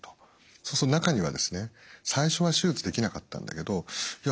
そうすると中にはですね最初は手術できなかったんだけどいや